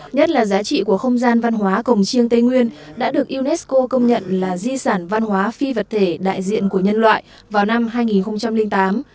nhất là giá trị của không gian văn hóa cổng chiêng tây nguyên đã được unesco công nhận là di sản văn hóa phi vật thể đại diện của nhân loại vào năm hai nghìn tám